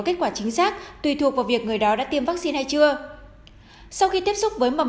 kết quả chính xác tùy thuộc vào việc người đó đã tiêm vaccine hay chưa sau khi tiếp xúc với màu